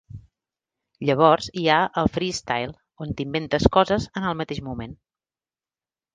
Llavors hi ha el "freestyle", on t'inventes coses en el mateix moment.